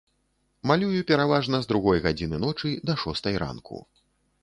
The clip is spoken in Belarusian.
Малюю пераважна з другой гадзіны ночы да шостай ранку.